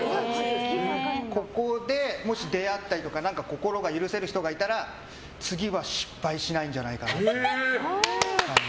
ここでもし出会ったりとか心が許せる人がいたら次は失敗しないんじゃないかなと。